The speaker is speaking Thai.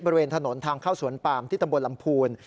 บริเวณถนนทางเข้าสวนปามที่ตำบลลำพูน